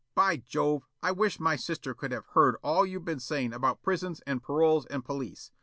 By Jove, I wish my sister could have heard all you've been saying about prisons and paroles and police.